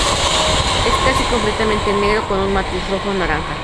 Es casi completamente negro, con un matiz rojo naranja.